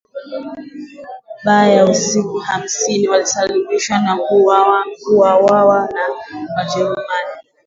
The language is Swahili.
Baaa ya siku hamsini alisimamishwa na kuuwawa na Wajerumani